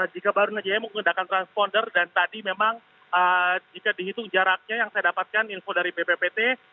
jika baru najaya menggunakan transponder dan tadi memang jika dihitung jaraknya yang saya dapatkan info dari bppt